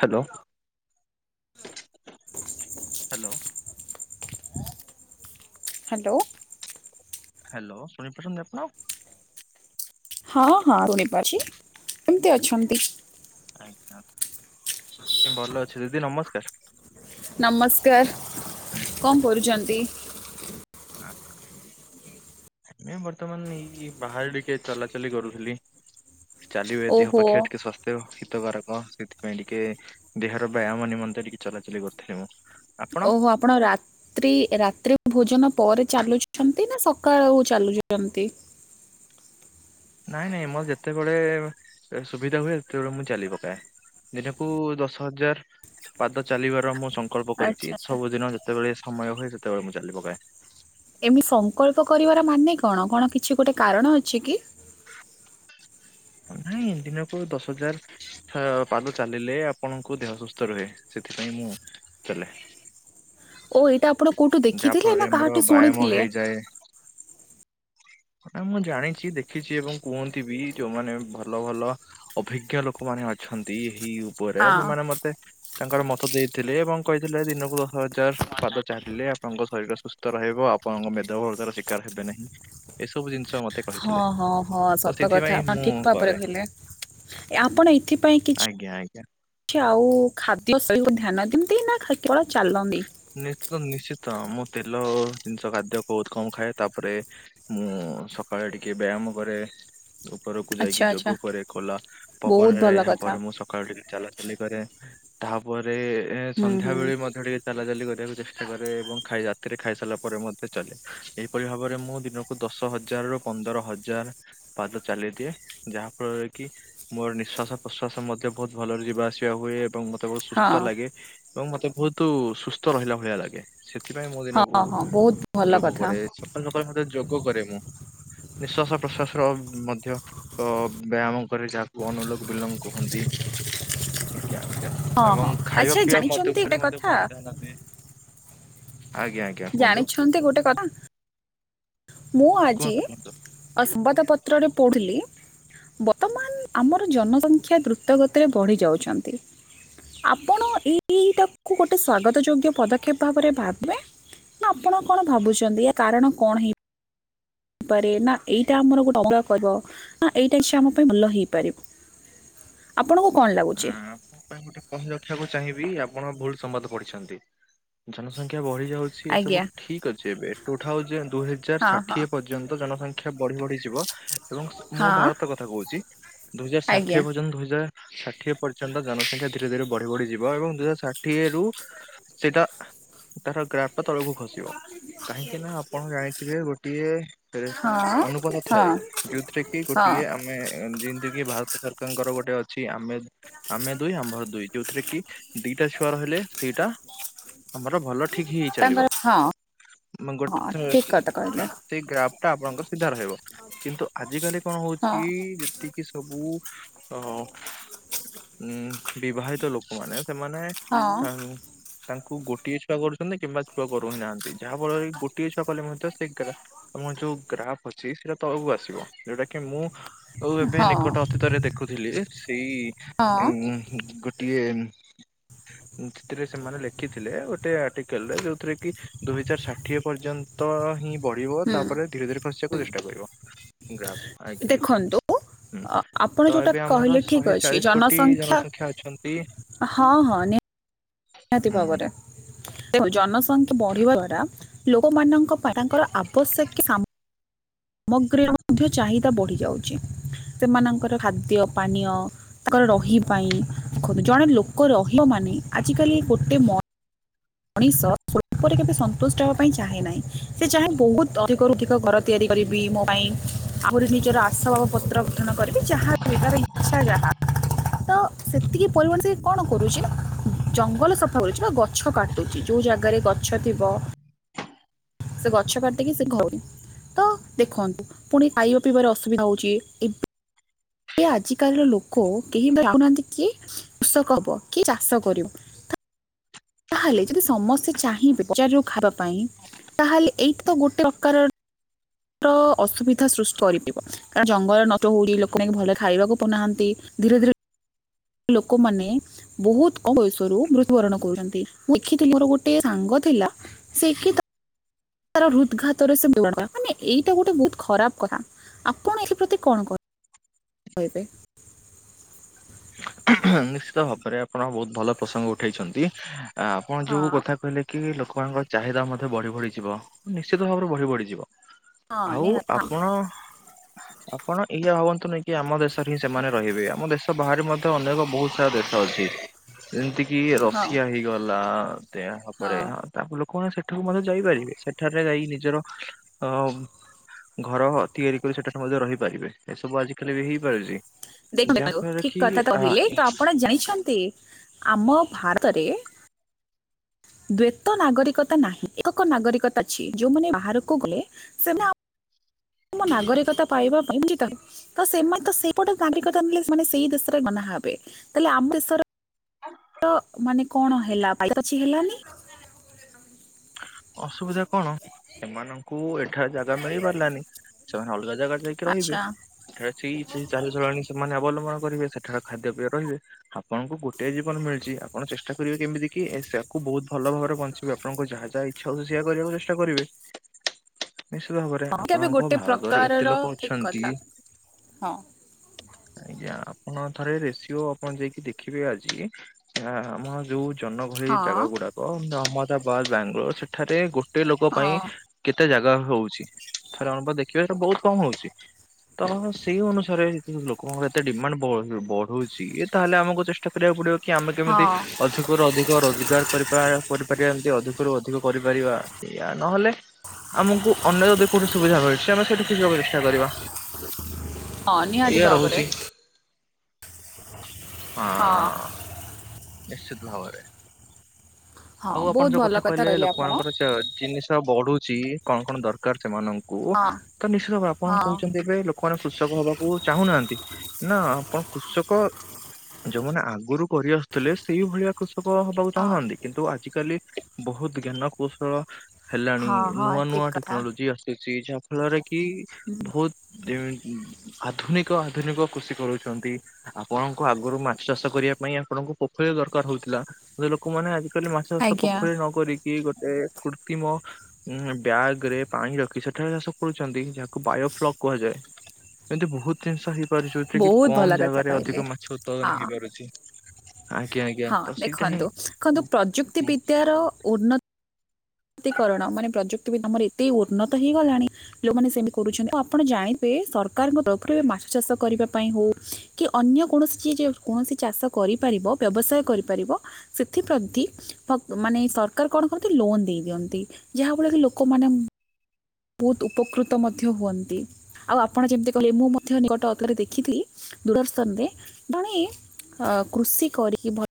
Hello hello. Hello. Hello ଶୁଣିପାରୁଛନ୍ତି ଆପଣ। ହଁ ହଁ ଶୁଣିପାରୁଛି କେମିତି ଅଛନ୍ତି। ଆଜ୍ଞା ଆଜ୍ଞା ଭଲ ଅଛି ଦିଦି ନମସ୍କାର। ନମସ୍କାର କଣ କରୁଛନ୍ତି? ଆ ନାଇଁ ବର୍ତ୍ତମାନ ଏଇଠି ବାହାରେ ଟିକେ ଚଲାଚଲି କରୁଥିଲି। ଚାଲିବେ ଦେହ ଓହୋ ପକ୍ଷେ ଟିକେ ସ୍ୱାସ୍ଥ୍ୟ ହିତକାରକ ସେଥିପାଇ ଟିକେ ଦେହର ବ୍ୟାୟାମ ନିମନ୍ତେ ଟିକେ ଚଲାଚଲି କରିଥିଲି ମୁଁ। ଓହ ଆପଣ ରା ରାତ୍ରି ରାତ୍ରି ଭୋଜନ ପରେ ଚାଲୁଛନ୍ତି ନା ସକାଳୁ ଚାଲୁଛନ୍ତି। ନାଇଁ ନାଇଁ ମୋର ଯେତେବେଳେ ସୁବିଧା ହୁଏ ସେତେବେଳେ ମୁଁ ଚାଲି ପକାଏ। ଦିନକୁ ଦଶ ହଜାର ପାଦ ଚାଲିବାର ମୋ ସଂ ପ୍ରକଳ୍ପ ଆଚ୍ଛା କରିଛି ଆଚ୍ଛା ସବୁଦିନ ଯେତେବେଳେ ସମୟ ହୁଏ ସେତେବେଳେ ମୁଁ ଚାଲି ପକାଏ। ଏମିତି ସଂକଳ୍ପ କରିବାର ମାନେ କଣ କଣ କିଛି ଗୋଟେ କାରଣ ଅଛି କି। ନାଇଁ ଦିନକୁ ଦଶ ହଜାର- ପାଦ ଚାଲିଲେ ଆପଣଙ୍କୁ ଦେହ ସୁସ୍ଥ ରୁହେ ସେଥିପାଇଁ ମୁଁ ଚାଲେ। ଓ ଏଇଟା ଆପଣ କୋଉଠୁ ଯାହା ଦେଖିଥିଲେ ଫଳରେ ନା ଆମର କାହାଠୁ ବ୍ୟାୟାମ ଶୁଣିଥିଲେ। ହେଇଯାଏ ନା ମୁଁ ଜାଣିଛି ଦେଖିଛି ଏବଂ କୁହନ୍ତି ବି ଯୋଉମାନେ ଭଲ ଭଲ ଅଭିଜ୍ଞ ଲୋକମାନେ ଅଛନ୍ତି ଏହି ଉପରେ ହଁ ସେମାନେ ମତେ ତାଙ୍କର ମତ ଦେଇଥିଲେ ଏବଂ କହିଥିଲେ ଦିନକୁ ଦଶ ହଜାର ପାଦ ଚାଲିଲେ ଆପଣଙ୍କ ଶରୀର ସୁସ୍ଥ ରହିବ ଆପଣଙ୍କ ମେଦ ବହୁଳ ତାର ଶିକାର ହେବେ ନାହିଁ। ଏସବୁ ଜିନିଷ ମତେ ହଁ କହିଥିଲେ ହଁ ହଁ ତ ସତ କଥା ସେଥିପାଇଁ ଆପଣ ମୁଁ ଠିକ ଭାବରେ କରେ କହିଲେ। ଆପଣ ଏଥିପାଇଁ କିଛି ଜ୍ଞା ଆଜ୍ଞା। କି ଆଉ ଖାଦ୍ୟ ସହିତ ଧ୍ୟାନ ଯେମତି ନା କେବଳ ଚାଲନ୍ତି। ନିସ୍ତ୍ ନିଶ୍ଚିତ ମୁଁ ତେଲ ଜିନିଷ ଖାଦ୍ୟ ବହୁତ କମ ଖାଏ ତାପରେ ମୁଁ ସକାଳେ ଟିକେ ବ୍ୟାୟାମ କରେ। ଉପରକୁ ଆଚ୍ଛା ଯାଇକି ଆଚ୍ଛା ଯୋଗ କରେ ଖୋଲା ବହୁତ ପବନରେ ଭଲ ଏହା କଥା ପରେ ମୁଁ ସ ସକାଳୁ ଟିକେ ଚାଲାଚଲି କରେ ତାପରେ ଏ ହୁଁ ହୁଁ ସନ୍ଧ୍ୟା ବେଳେ ମଧ୍ୟ ଟିକେ ଚାଲା ଚାଲି କରିବାକୁ ଚେଷ୍ଟା କରେ ଏବଂ ଖାଇ ରାତିରେ ଖାଇସାରିଲା ପରେ ମଧ୍ୟ ଚାଲେ ଏହିପରି ଭାବରେ ମୁଁ ଦିନକୁ କୁ ଦଶ ହଜାର ରୁ ପନ୍ଦର ହଜାର ପାଦ ଚାଲି ଦିଏ ଯାହା ଫଳରେ କି ମୋର ନିଶ୍ଵାସ ପ୍ରସ୍ୱାସ ମଧ୍ୟ ବହୁତ ଭଲରେ ଯିବାଆସିବା ହୁଏ ଏବଂ ତେ ବହୁତ ହଁ ସୁସ୍ଥ ଲାଗେ ଏବଂ ମତେ ବହୁତ ସୁସ୍ଥ ରହିଲା ଭଳିଆ ଲାଗେ। ସେଥିପାଇଁ ମୁଁ ହଁ ଦିନକୁ ହଁ ବହୁତ ଭଲ ଯୋଗ କଥା କରେ ସକାଳୁ ସକାଳୁ ମତେ ଯୋଗ କରେ ମୁଁ। ନିଃଶ୍ଵାସ ପ୍ରଶ୍ଵାସ ର ମଧ୍ୟ ଅ ବ୍ୟାୟାମ କରେ ଯାହାକୁ ଅନୁଲୋକ ବିଲମ କୁହନ୍ତି ଆଜ୍ଞା ଆଜ୍ଞା। ହଁ ହଁ ଏବଂ ଖାଇବା ଆଚ୍ଛା ପିଇବା ମଧ୍ୟ ଉପ ଜାଣିଛନ୍ତି ଗୋଟେ ଉପରେ ମଧ୍ୟ କଥା ବହୁତ ଧ୍ୟାନ ଦିଏ ଆଜ୍ଞା ଆଜ୍ଞା। କୁହନ୍ତୁ ଜାଣିଛନ୍ତି ଗୋଟେ କଥା। ମୁଁ ଆଜି କୁହନ୍ତୁ କୁହନ୍ତୁ। ଅ ସମ୍ବାଦ ପତ୍ର ରେ ପଢ଼ୁଲି ବର୍ତ୍ତମାନ ଆମର ଜନସଂଖ୍ୟା ଦ୍ରୁତଗତିରେ ବଢି ଯାଉଛନ୍ତି। ଆପଣ ଏଇଟାକୁ ଗୋଟେ ସ୍ୱାଗତ ଯୋଗ୍ୟ ପଦକ୍ଷେପ ଭାବରେ ଭାବେ ନା ଆପଣ କଣ ଭାବୁଛନ୍ତି କାରଣ କଣ ହେଇ ପାରେ ନା ଏଇଟା ଆମର ଗୋଟେ ଅା [unintelligible] ଏଇଟା ଛି ଆମ ପାଇଁ ଭଲ ହେଇପାରିବ। ଆପଣଙ୍କୁ କଣ ଆ ଲାଗୁଛି। ଆପଣଙ୍କ ପାଇଁ ଗୋଟେ କହି ରଖିବାକୁ ଚାହିଁବି ଆପଣ ଭୁଲ ସମ୍ବାଦ ପଢିଛନ୍ତି ଜନସଂଖ୍ୟା ବଢି ଯାଉଛି ଏ ସବୁ ଆଜ୍ଞା ଠିକ ଅଛି ଟୁ ଥାଉସେଣ୍ଡ ଦୁଇ ହଜାର ହଁ ହଁ ଷାଠିଏ ପର୍ଯ୍ୟା ନ୍ତ ଜନସଂଖ୍ୟା ବଢି ବଢି ଯିବ। ଏବଂ ମୁଁ ହଁ ଭାରତ କଥା କହୁଛି ଦୁଇ ହଜାର ଷାଠିଏ ଆଜ୍ଞା ପର୍ଯ୍ୟନ୍ତ ଦୁଇ ହଜାର ଷା ଷାଠିଏ ପର୍ଯ୍ୟନ୍ତ ଜନସଂଖ୍ୟା ଧୀରେ ଧୀରେ ବଢି ବଢି ଯିବ ଏବଂ ଦୁଇ ହଜାର ଷାଠିଏ ରୁ ସେଇଟା ତାର ଗ୍ରାଫଟ ତଳକୁ ଖସିବ। କାହିଁକି ନା ଆପଣ ଜାଣିଥିବେ ଗୋଟିଏ ରେ ହଁ ଅନୁପଦ ହଁ ଥାଏ ଯୋଉଥିରେ କି ହଁ ଗୋଟିଏ ଆମେ ଅ ଯେମିତି କିି ଭାରତ ସରକାରଙ୍କର ଗୋଟେ ଅଛି ଆମେ ଆମେ ଦୁଇ ଆମ୍ଭର ଦୁଇ ଯୋଉଥିରେ କି ଦିଟା ଛୁଆ ରହିଲେ ସେଇଟା ଆମର ଭଲ ଠିକ ହେଇ ତାଙ୍କର ଚାଲିବ। ହଁ ମ ଗୋଟେ ହଁ ତ ହ ଠିକ କଥା ହଁ କହିଲେ ସେଇ ଗ୍ରାଫ ଟା ଆପଣଙ୍କର ସିଧା ରହିବ। କିନ୍ତୁ ଆଜ କାଲି କଣ ହଁ ହଉଛି ଯେତିକି ସବୁ ଅ ଉଁ ବିବାହିତ ଲୋକମାନେ ସେମାନେ ହଁ ସାଂସ ତାଙ୍କୁ ଗୋଟିଏ ଛୁଆ କରୁଛନ୍ତି କିମ୍ବା ଛୁଆ କରୁ ହି ନାହାନ୍ତି ଯାହା ଫଳରେ କି ଗୋଟିଏ ଛୁଆ କଲେ ମଧ୍ୟ ସେ ଗ୍ରା ତମ ଯୋଉ ଗ୍ରାଫ୍ ଅଛି ସେଇଟା ତଳକୁ ଆସିବ ଯୋଉଟା କି ମୁଁ ଆଉ ଏବେ ହଁ ନିକଟ ଅତୀତରେ ଦେଖୁଥିଲି ସେଇ ହଁ ଉଁ ଗୋଟ୍ ଟିଏ ସେଥିରେ ସେମାନେ ଲେଖିଥିଲେ ଗୋଟେ ଆର୍ଟିକାଲରେ ଯୋଉଥିରେ କି ଦୁଇ ହଜାର ଷାଠିଏ ପର୍ଯ୍ୟନ୍ତ ହିଁ ବଢିବ ହୁଁ ତାପରେ ଧୀରେ ଧୀରେ ଖସିବାକୁ ହୁଁ ଚେଷ୍ଟା କରିବ ଗ୍ରାଫ୍। ଦେଖନ୍ତୁ ଆପଣ ତ ଯୋଉଟା ଏବେ ଆମର କହିଲେ ଶହେ ଠିକ ଅଛି। ଏଇ ଚାଳିଶ କୋଟି ଜନସଂଖ୍ୟା ଅଛନ୍ତି ହଁ ହଁ ନିହା ହାତି ହୁଁ ହୁଁ ଭାବରେ ଜନସଂଖ୍ୟା ବଢିବା ଦ୍ଵାରା ଲୋକମାନଙ୍କ ବା ତାଙ୍କର ଆବଶ୍ୟକୀୟ ସାମ ମୋଗ୍ରୀର ମଧ୍ୟ ଚାହିଦା ବଢି ଯାଉଚି ସେମାନଙ୍କର ଖାଦ୍ୟ ପାନୀୟ ତାଙ୍କର ରହି ପାଇଁ କୁହନ୍ତୁ ଜଣେ ଲୋକ ରହିବ ମାନେ ଆଜିକାଲି ଗୋଟେ ମ ମଣିଷ ଶୋଳ୍ପରେ କେବେ ସନ୍ତୁଷ୍ଟ ହେବା ପାଇଁ ଚାହେଁ ନାହିଁ ସେ ଚାହେଁ ବୋହୁତ ଅଧିକରୁ ଅଧିକ ଘର ତିଆରି କରିବି ମୋ ପାଇଁ ଆହୁରି ନିଜର ଆସବାବ ପତ୍ର ଗଠନ କରିବି ଯାହାବି ତା ଇଛା ଜାହା ତ ସେତିକି ପରିବର୍ତ୍ତେ କଣ କରୁଚି ନା ଜଙ୍ଗଲ ସଫା କରୁଚି ବା ଗଛ କାଟୁ କାଟୁଚି ଯୋଉ ଜାଗାରେ ଗଛ ଥିବ ସେ ଗଛ କାଟିକି ସେ ଘର ତ ଦେଖନ୍ତୁ ପୁଣି ଖାଇବା ପିଇବାର ଅସୁବିଧା ହଉଚି। ଆଜି କାଲିର ଲୋକ କେହି ଚାହୁନାହାନ୍ତି କି କୃଷକ ହବ କି ଚାଷ କରିବ। ତାହେଲେ ଯଦି ସମସ୍ତେ ଚାହିଁବେ ବଜାରୁ ଖାଇବା ପାଇଁ ତାହେଲେ ଏଇଟି ତ ଗୋଟେ ପ୍ରକାର ଅସୁବିଧା ସୃଷ୍ଟି କରିପାରିବ କାରଣ ଜଙ୍ଗଲ ନଷ୍ଟ ହଉଚି ଲୋକମାନେକ ଭଲ ଖାଇବାକୁ ପଉନାହାନ୍ତି ଧୀରେ ଧୀରେ ଲୋକମାନେ। ବୋହୁତ କମ୍ ବୟସରୁ ମୃତ୍ୟୁବରଣ କରୁଚନ୍ତି ମୁଁ ଦେଖିଥିଲି ମୋର ଗୋଟେ ସାଙ୍ଗ ଥିଲା ଶିଖିତ ତାର ହୃଦ୍ଘାତରେ ସେ ମରିଗଲା ଏଇଟା ଗୋଟେ ବୋହୁତ ଖରାପ କଥା ଆପଣ ଏଥି ପ୍ରତି କଣ କହିବେ। କହିବେ ନିଶ୍ଚିତ ଭାବରେ ଆପଣ ବୋହୁତ ଭଲ ପ୍ରସଙ୍ଗ ଉଠେଇଚନ୍ତି ଆପଣ ହଁ ଯୋଉ କଥା କହିଲେ କି ଲୋକମାନଙ୍କର ଚାହିଦା ମଧ୍ୟ ବଢ଼ି ବଢ଼ିଯିବ ନିଶ୍ଚିତ ଭାବରେ ବଢ଼ି ବଢ଼ିଯିବ। ହଁ ଆଉ ନିହାତି ହଁ ଆପଣ। ଆପଣ ଏଆ ଭାବଅନ୍ତୁନିଁ କି ଆମ ଦେଶରେ ହିଁ ସେମାନେ ରହିବେ ଆମ ଦେଶ ବାହାରେ ମଧ୍ୟ ଅନେକ ବୋହୁତ ସାରା ଦେଶ ଅଛି ଯେମିତି କିି ହଁ ରଷିଆ ହେଇଗଲା। ହଁ [unintelligible] ତା ଲୋକମାନେ ସେଠାକୁ ମଧ୍ୟ ଯାଇପାରିବେ ସେଠାରେ ଯାଇ ନିଜର ଅ ଘର ତିଆରି କରି ସେଠାରୁ ମଧ୍ୟ ରହିପାରିବେ ଏସବୁ ଆଜିିକାଲି ବି ହେଇପାରୁଚି। ଦେଖନ୍ତୁ ଠିକ କଥା କହିଲେ ତ ଆପଣ ଜାଇଛନ୍ତି ଆମ ଭାରତରେ ଦ୍ଵେତ ନାଗରିକତା ନାହିଁ ଏକକ ନାଗରିକତା ଅଛି ଯୋଉମାନେ ବାହାରକୁ ଗଲେ ସେମାନେ ଆମ ନାଗରିକତା ପାଇବା ପାଇଁ [unintelligible] ତ ସେମାନେ ତ ସେଇପଟେ ନାଗରିକତା ନେଲେ ସେ ସେଇ ଦେଶରେ ମନା ହବେ ତାହେଲେ ଆମ ଦେଶର ମାନେ କଣ ହେଲା ପାଛି ହେଲାନି। ଅସୁବିଧା କଣ କୁ ଏଠାରେ ଜାଗା ମିଳି ପାରିଲାନି ସେମାନେ ଅଲଗା ଜାଗାରେ ଯାଇକି ରହିବେ ଆଚ୍ଛା ଏରେ ସେ ଚଳଣି ସେମାନେ ଅବଲମ୍ବନ କରିବେ ସେଠାରେ ଖାଦ୍ୟପେୟ ରହିବେ। ଆପଣଙ୍କୁ ଗୋଟାଏ ଜୀବନ ମିଳିଚି ଆପଣ ଚେଷ୍ଟା କରିବେ କେମିତି କି ସେୟକୁ ବୋହୁତ ଭଲ ଭାବରେ ବଞ୍ଚିବେ ଆପଣଙ୍କୁ ଯାହା ଯାହା ଇଛା ହଉଚି ସେୟା କରିବାକୁ ଚେଷ୍ଟା କରିବେ। ନିଶ୍ଚିତ ଭାବରେ ହଁ ଏଇଟା ବି ଆପଣଙ୍କ ଗୋଟେ ଭାରତରେ ପ୍ରକାରର ଏତେ ଲୋକ ଠିକ ଅଛନ୍ତି। କଥା ହଁ ଆଜ୍ଞା ଆପଣ ଥରେ ରେସିଓ ଆପଣ ଯାଇକି ଦେଖିବେ ଆଜି ହାଁ ଆମ ଯୋଉ ଜନଗହଳି ହଁ ଜାଗା ଗୁଡାକ ଅହମ୍ମଦାବାଦ ବାଙ୍ଗାଲୋର ସେଠାରେ ଗୋଟେ ଲୋକ ପାଇଁ ହଁ କେତେ ଜାଗା ହୋଉଚି ଥରେ ଅନୁଭ ଦେଖିବେତ ବୋହୁତ କମ ହୋଉଚି। ତ ସେଇ ଅନୁସାରେ ଲୋକଙ୍କର ଏତେ ଡିମାଣ୍ଡ ବଢୁଚି ତାହେଲେ ଆମକୁ ଚେଷ୍ଟା କରିବାକୁ ପଡିବ। କି ଆମେ କେମିତି ହଁ ଅଧିକରୁ ଅଧିକ ରୋଜଗାର କରି କରିପାରିବା ଏମିତି ଅଧିକ ଅଧିକରୁ ଅଧିକ କରିପାରିବା ଏୟା ନହେଲେ ଆମକୁ ଅନ୍ୟ ଯଦି କୋଉଠି ସୁବିଧା ମିଳଚି ଆମେ ସେଇଠି ରହିବାକୁ ଚେଷ୍ଟା କରିବା। ହଁ ନିହାତୀ ଏଇଆ ଭାବରେ। ରହୁଛି ହଁ ନିଶ୍ଚିତ ଭାବରେ। ହଁ ଆଉ ଆପଣ ବହୁତ ଯୋଉ ଭଲ କଥା କହିଲେ ଆପଣ ଲୋକମାନଙ୍କର ଜିନିଷ ବଢୁଚି କଣ କଣ ଦରକାର ସେମାନଙ୍କୁ। କୁ ହଁ ତ ନିଶ୍ଚିତ ଭାବରେ ଆପଣ ହଁ କହୁଚନ୍ତି ଏବେ ଲୋ ଲୋକ ମାନେ କୃଷକ ହବାକୁ ଚାହୁଁନାହାନ୍ତି ନା ଆପଣ କୃଷକ ଯୋଉମାନେ ଆଗରୁ କରି ଆସୁଥିଲେ ସେଇଭଳିଆ କ୍ରୁଷ କ ହବାକୁ ହଁ ଚାହୁଁନାହାନ୍ତି କିନ୍ତୁ ଆଜିିକାଲି ବୋହୁତ ଜ୍ଞାନ କୌଶଳ ହେଲାଣି ହଁ ହଁ ନୂଆ ନୂଆ ଠିକ କଥା ଟେକ୍ନୋଲୋଜି ଆସିଛି ଯାହା ଫଳରେ କି ହୁଁ ବହୁତ ଯେ ଆଧୁନିକ ଆଧୁନିକ କୃଷି କରୁଛନ୍ତି। ଆପଣଙ୍କୁ ଆଗରୁ ମାଛ ଚାଷ କରିବା ପାଇଁ ଆପଣଙ୍କୁ ପୋଖରୀ ଦରକାର ହଉଥିଲା ଲୋକମାନେ ଆଜି କାଲି ମାଛ ଚାଷ ଆଜ୍ଞା ପୋଖରୀ ରେ ନ କରିକି ଗୋଟେ କୃତ୍ରିମ ଉଁ ବ୍ୟାଗ ରେ ପାଣି ରଖି ସେଠାରେ ଚାଷ କରୁଛନ୍ତି ଯାହାକୁ ବାୟୋ ଫ୍ଲକ୍ କୁହାଯାଏ। ଏମତି ବହୁତ ଜିନିଷ ହେଇପାରୁଛି ଯୋଉଥିରେ କି ବହୁତ ଭଲ କମ କଥା ଜାଗାରେ କହିଲେ ଅଧିକ ମାଛ ହଁ ଉତ୍ପାଦନ ହେଇପାରୁଛି। ଆଜ୍ଞା ଆଜ୍ଞା ହଁ ତ ସେଇଟା ହିଁ ଦେଖନ୍ତୁ ଦେଖନ୍ତୁ ହୁଁ ପ୍ରଯୁକ୍ତି ହୁଁ ବିଦ୍ୟାର ଉନ୍ନତି ତିକରଣ ମାନେ ପ୍ରଯୁକ୍ତି ବି ଆମର ଏତେ ଉନ୍ନତ ହେଇଗଲାଣି ଲୋକମାନେ ସେମିତି କରୁଛନ୍ତି ଆ ଆପଣ ଜାଣିବେ ସରକାରଙ୍କ ତରଫରୁ ଏ ମାଛ ଚାଷ କରିବା ପାଇଁ ହଉ କି ଅନ୍ୟ କୌଣସି ଯିଏ ଯେ କୌଣସି ଚାଷ କରିପାରିବ ବ୍ୟବସାୟ କରିପାରିବ ସେଥିପ୍ରତି ମାନେ ସରକାର କଣ କରନ୍ତି ଲୋନ ଦେଇ ଦିଅନ୍ତି ଯାହାଫଳ କି ଲୋକମାନେ ବହୁତ ଉପକୃତ ମଧ୍ୟ ହୁଅନ୍ତି। ଆଉ ଆପଣ ଯେମିତି କହିଲେ ମୁଁ ମଧ୍ୟ ନିକଟ ଅତରେ ଦେଖିଥିଲି ଦୂରଦର୍ଶନରେ ଜଣେ ଅ କୃଷି କରିକି ଭଲ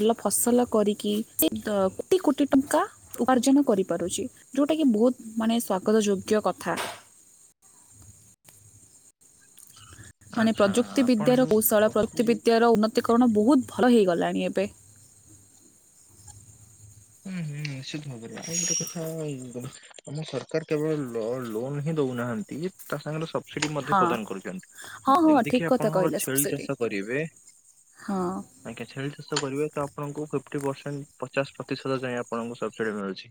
ଭଲ ଫସଲ କରିକି କୋଟି କୋଟି ଟଙ୍କା ଉପାର୍ଜନ କରିପାରୁଛି ଯୋଉଟା କି ବହୁତ୍ ମାନେ ସ୍ଵାଗତ ଯୋଗ୍ୟ କଥା। ମାନେ ଆଚ୍ଛା ପ୍ରଯୁକ୍ତି ଆପଣ ବିିଦ୍ୟାର ଯୋଉ କୌଶଳ କହୁଥିଲେ ପ୍ରଯୁକ୍ତିିବିଦ୍ୟାର ଉନ୍ନତିକରଣ ବହୁତ ଭଲ ହେଇଗଲାଣି ଏବେ। ହୁଁ ହୁଁ ନିଶ୍ଚିତ ଭାବରେ ଆଉ ଗୋଟେ କଥା [unintelligible] ଆମ ସରକାର କେବଳ ଲ- ଲୋନ ହିଁ ଦଉନାହାନ୍ତି ତା ସାଙ୍ଗରେ ସ ସେଠି ମଧ୍ୟ ହଁ ପ୍ରଦାନ କରୁଛନ୍ତି ହଁ ହଁ ଯେମିତି ଠିକ କିି କଥା ଆପଣଙ୍କ କହିଲେ ଛେଳି ସବସିଡି ଚାଷ କରିବେ ହଁ। ଆଜ୍ଞା ଛେଳି ଚାଷ କରିବେ ତ ଆପଣଙ୍କୁ ଫିଫ୍ଟି ପରସେଣ୍ଟ ପଚାଶ ପ୍ରତିଶତ ଯାଏ ଆପଣଙ୍କୁ ସବସିଡି ମିଳୁଛି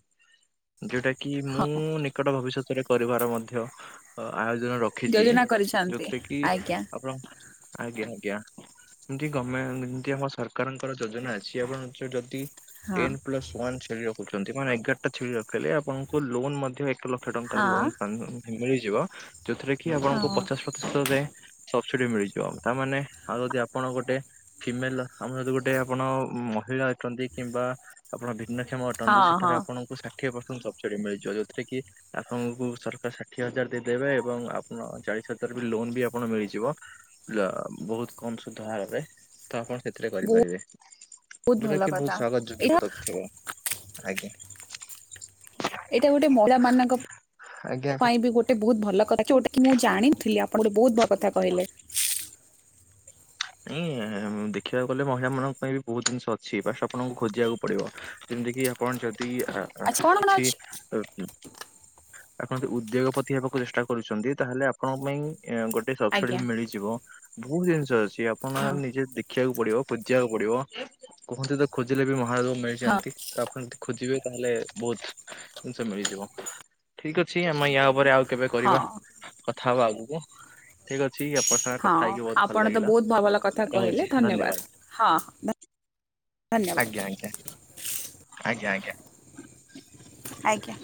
ଯୋଉଟା କି ମୁଁ ହଁ ନିକଟ ଭବିଷ୍ୟତରେ କରିବାର ମଧ୍ୟ ଆୟୋଜନ ର ରଖିଛି ଯୋଜନା କରିଛନ୍ତି ଯୋଉଥିରେ କି ଆଜ୍ଞା ଆପଣ ଆଜ୍ଞା ଆଜ୍ଞା। ଏମିତି ଗମେ ଯେମତି ଆମ ସରକାରଙ୍କର ଯୋଜନା ଅଛି ଆପଣ ଯଦି ହଁ ଟେନ ପ୍ଲସ ୱାନ୍ ଛେଳି ରଖୁଛନ୍ତି ମେ ଏଗାରଟା ଛେଳି ରଖେଇଲେ ଆପଣଙ୍କୁ ଲୋନ ମଧ୍ୟ ଲକ୍ଷ ଟଙ୍କା ର ହଁ ଲୋନ୍ ପାନ-ମିଳିଯିବ ଯୋଉଥିରେ କି ହଁ ଆପଣଙ୍କୁ ପଚାଶ ପ୍ରତିଶତ ଯାଏଁ ସବସିଡି ମିଳିଯିବ ଆଉ ତାମାନେ ଆଉ ଯଦି ଆପଣ ଗୋଟେ ଫିମେଲ ଆମର ଯତି ଗୋଟେ ଆପଣ ମହିଳା ଅଛନ୍ତି କିମ୍ବା ଆପଣ ଭିନ୍ନକ୍ଷମ ଅଟନ୍ତି ହଁ ସେଠାରେ ହଁ ଆପଣଙ୍କୁ ଷାଠିଏ ପରସଣ୍ଟ ସବସିଡି ମିଳିଯିବ ଯେଉଥିରେ କି ଆପଣଙ୍କୁ ସରକାର ଷାଠିଏ ହଜାର ଦେଇଦେବେ ଏବଂ ଆପଣ ଚାଳିଶ ହଜାର ବି ଲୋନ ବି ଆପଣ ମିଳିଯିବ ବହୁତ କମ ସୁଧ ହାରରେ ତ ଆପଣ ସେଥିରେ ବହୁ- କରିପାରିବେ। ବହୁତ ଯେଉଟା ଭଲ କି କଥା ବହୁତ ସ୍ଵାଗତ ଯୋଗ୍ୟ ଏଇଟା ପଦକ ଥିବ ଆଜ୍ଞା। ଏଇଟା ଗୋଟେ ମହିଳା ମାନଙ୍କ ଆଜ୍ଞା କ ପାଇଁ ବି ଗୋଟେ ଗୋଟା ବହୁ ଭଲ କଥାଉଟା ମୁଁ ଜାଣିଥିଲି ଆପଣ ଗୋଟେ ବହୁତ ଭଲ କଥା କହିଲେ। ଏଁ ଦେଖିବାକୁ ଗଲେ ମହିଳା ମାନଙ୍କ ପାଇଁ ବି ବହୁତ ଜିନିଷ ଅଛି ବାଷ୍ଟ ଆପଣଙ୍କୁ ଖୋଜିବାକୁ ପଡିବ ଯେମିତି କିି ଆପଣ ଯଦି ଆଚ୍ଛା କଣ କଣ କିଛି ଅଛି ଆପଣ ଯଦି ଉଦ୍ୟୋଗପତି ହେବାକୁ ଚେଷ୍ଟା କରୁଛନ୍ତି ତାହେଲେ ଆପଣଙ୍କ ପାଇଁ ଗୋଟେ ସବସିଡି ଆଜ୍ଞା ମିଳିଯିବ ବହୁତ ଜିନିଷ ଅଛି ଆପଣ ହଁ ନିଜେ ଦେଖିବାକୁ ପଡିବ ଖୋଜିବାକୁ ପଡିବ କୁହନ୍ତି ତ ଖୋଜିଲେ ବି ମହାଦେବ ହଁ ମିଳିଯାନ୍ତି ତାକୁ ଆପଣ ଯଦି ଖୋଜିବେ ତାହେଲେ ବହୁତ ଜିନିଷ ମିଳିଯିବ ଠିକ ଅଛି ଆମେ ୟା ଉପରେ ଆଉ କେବେ ହଁ କରିବା କଥା ହବା ଆଗକୁ ଠିକ ଅଛି ଆପଣଙ୍କ ସାଙ୍ଗେ ହଁ କଥା ହେଇକି ବହୁତ ଭଲ ଆପଣ ତ ଲାଗିଲା ବହୁତ ଭବଲ କଥା କ କହିଲେ ଧନ୍ୟବାଦ ହଁ ହଁ ଧନ୍ୟ- ଧନ୍ୟବାଦ୍। ଆଞା ଆଞା ଆଜ୍ଞା ଆଜ୍ଞା। ଆଜ୍ଞା।